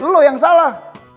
lo yang salah